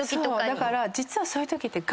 だから実はそういうときって。